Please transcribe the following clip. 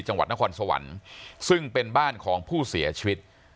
จังหวัดนครสวรรค์ซึ่งเป็นบ้านของผู้เสียชีวิต